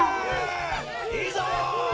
いいぞ！